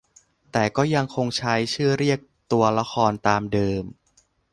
แต่ก็ยังคงใช้ชื่อเรียกตัวละครตามเดิม